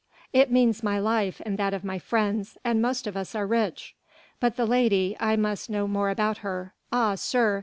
"It means my life and that of my friends, and most of us are rich." "But the lady I must know more about her. Ah sir!